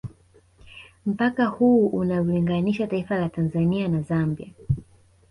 Mpaka huu unaliunganisha taifa la Tanzania na Zambia